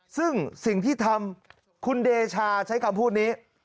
ซึ่งสิ่งที่ทำคุณเดชาใช้คำพูดนี้